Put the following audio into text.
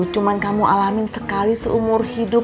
cuma kamu alamin sekali seumur hidup